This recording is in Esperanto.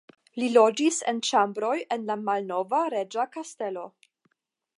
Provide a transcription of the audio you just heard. Li loĝis en ĉambroj en la malnova Reĝa Kastelo.